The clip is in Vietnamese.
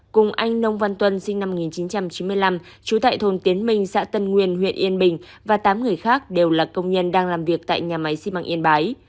cùng anh nông văn tuân sinh năm một nghìn chín trăm chín mươi năm trú tại thôn tiến minh xã tân nguyên huyện yên bình và tám người khác đều là công nhân đang làm việc tại nhà máy xi măng yên bái